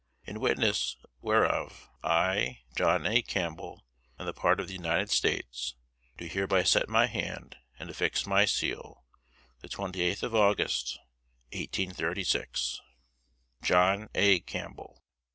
In witness whereof, I, John A. Campbell, on the part of the United States, do hereby set my hand and affix my seal, the 28th of August, 1836." "JOHN A. CAMPBELL, [L.